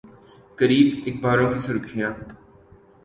قریب اخباروں کی سرخیاں